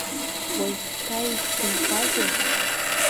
Уажәшьҭа исзынхазеи?